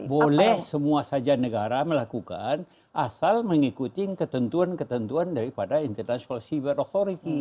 boleh semua saja negara melakukan asal mengikuti ketentuan ketentuan daripada international cyber authority